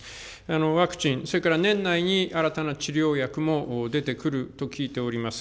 ワクチン、それから年内に新たな治療薬も出てくると聞いております。